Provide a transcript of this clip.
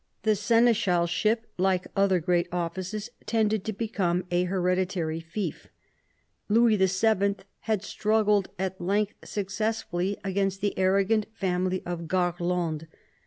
The seneschalship, like other great offices, tended to become a hereditary fief. Louis VII. had struggled, at length successfully, against the arrogant family of Garlande.